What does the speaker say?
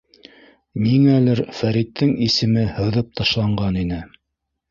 Ниңәлер Фәриттең исеме һыҙып ташланған ине.